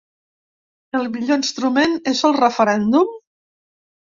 El millor instrument és el referèndum?